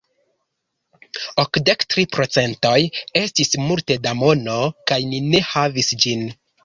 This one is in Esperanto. Okdek tri procentoj estis multe da mono, kaj ni ne havis ĝin.